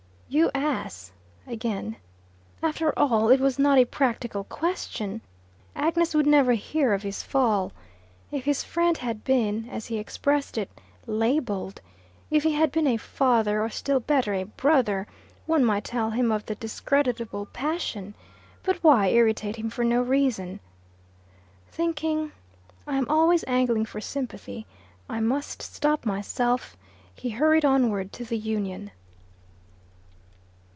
"You ass," again. After all, it was not a practical question; Agnes would never hear of his fall. If his friend had been, as he expressed it, "labelled"; if he had been a father, or still better a brother, one might tell him of the discreditable passion. But why irritate him for no reason? Thinking "I am always angling for sympathy; I must stop myself," he hurried onward to the Union.